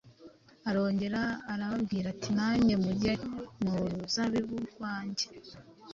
Arongera arababwira ati, “Namwe mujye mu ruzabibu rwanjye.”